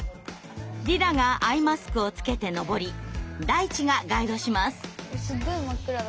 リラがアイマスクをつけて登りダイチがガイドします。